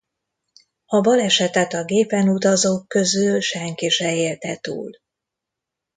A balesetet a gépen utazók közül senki se élte túl.